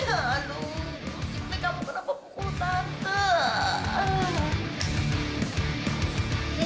aduh si pe kamu kenapa pukul tante